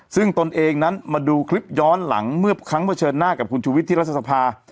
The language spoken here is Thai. ซึ่งตนเองนั้นมาดูคลิปย้อนหลังเมื่อครั้งเผชิญหน้ากับคุณชุวิตที่รัฐสภา